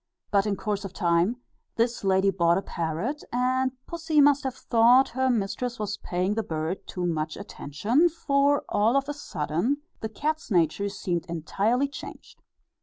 But in course of time, this lady bought a parrot, and pussy must have thought her mistress was paying the bird too much attention, for all of a sudden the cat's nature seemed entirely changed.